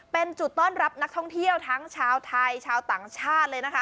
เป็นจุดต้อนรับนักท่องเที่ยวทั้งชาวไทยชาวต่างชาติเลยนะคะ